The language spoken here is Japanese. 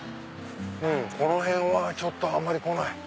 うんこの辺はちょっとあんまり来ない。